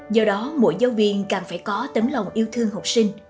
do đó mỗi giáo viên càng phải có tấm lòng yêu thương học sinh